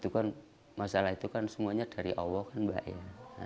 itu kan masalah itu kan semuanya dari allah kan mbak ya